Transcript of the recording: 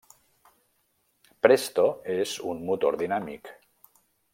Presto és un motor dinàmic.